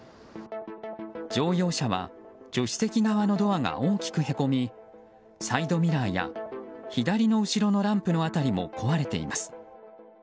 乗用車は、助手席側のドアが大きくへこみサイドミラーや左の後ろのランプの辺りも壊れています。